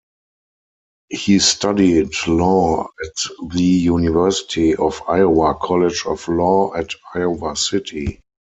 He studied law at the University of Iowa College of Law at Iowa City.